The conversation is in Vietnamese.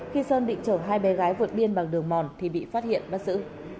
khi sơn định chở hai bé gái vượt biên bằng đường mòn thì bị phát hiện bắt giữ